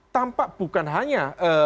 tampak bukan hanya